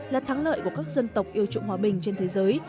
là thắng lợi của các dân tộc yêu trụng hòa bình trên thế giới